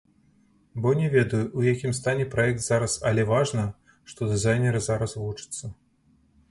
Бо не ведаю, у якім стане праект зараз, але важна, што дызайнеры зараз вучацца.